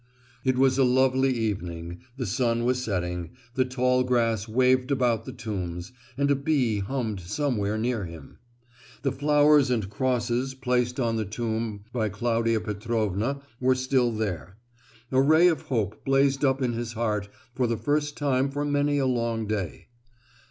It was a lovely evening, the sun was setting, the tall grass waved about the tombs, and a bee hummed somewhere near him. The flowers and crosses placed on the tomb by Claudia Petrovna were still there. A ray of hope blazed up in his heart for the first time for many a long day.